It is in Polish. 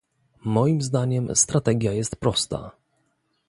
Moim zdaniem strategia jest prosta